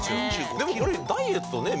でもこれダイエットね